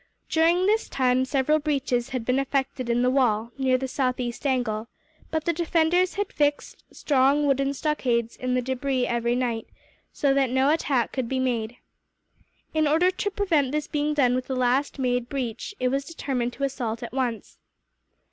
During this time several breaches had been effected in the wall, near the southeast angle, but the defenders had fixed strong wooden stockades in the debris every night, so that no attack could be made. In order to prevent this being done with the last made breach, it was determined to assault at once.